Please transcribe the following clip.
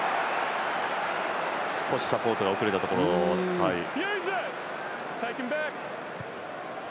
少しサポートが遅れたところでした。